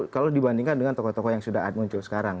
kalau dibandingkan dengan tokoh tokoh yang sudah muncul sekarang